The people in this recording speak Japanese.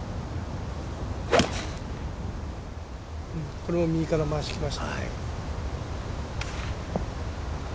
これも右から回してきました。